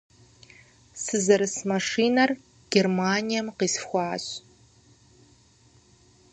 Сызэрыс машинэр Германием къисхуащ.